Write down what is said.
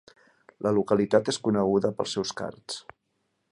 La localitat és coneguda pels seus cards.